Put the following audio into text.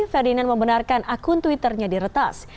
ferdinand membenarkan akun twitternya diretas